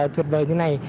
thuyệt vời như thế này